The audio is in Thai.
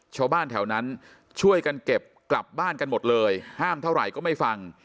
ชาวบ้านแถวนั้นช่วยกันเก็บกลับบ้านกันหมดเลยห้ามเท่าไหร่ก็ไม่ฟัง